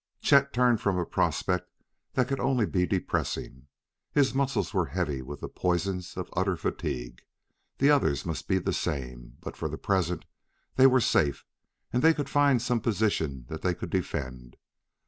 Chet turned from a prospect that could only be depressing. His muscles were heavy with the poisons of utter fatigue; the others must be the same, but for the present they were safe, and they could find some position that they could defend.